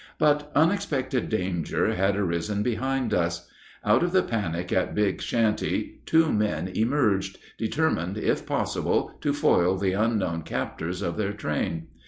But unexpected danger had arisen behind us. Out of the panic at Big Shanty two men emerged, determined, if possible, to foil the unknown captors of their train.